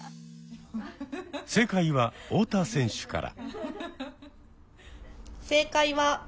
正解は太田選手から。